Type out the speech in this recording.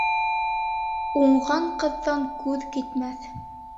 Уңған ҡыҙҙан күҙ китмәҫ.